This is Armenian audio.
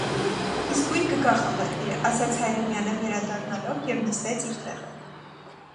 - Իսկույն կգա խմբագիրը,- ասաց Հայրումյանը վերադառնալով և նստեց իր տեղը: